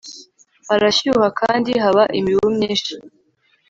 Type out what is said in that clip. harashyuha kandi haba imibu myinshi